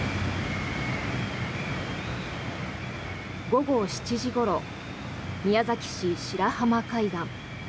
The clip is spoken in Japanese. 午後７時ごろ宮崎市・白浜海岸。